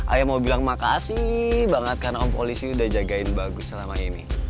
ayah mau bilang makasih banget karena om polisi udah jagain bagus selama ini